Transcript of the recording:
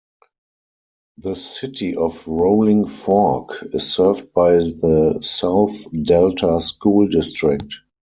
The city of Rolling Fork is served by the South Delta School District.